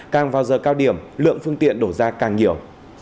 càng vào giờ cao điểm lượng phương tiện đổ ra càng nhiều